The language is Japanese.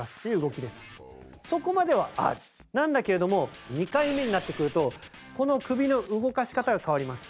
なんだけれども２回目になってくるとこの首の動かし方が変わります。